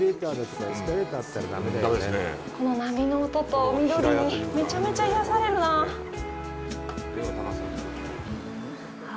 この波の音と緑にめちゃめちゃ癒やされるなあ。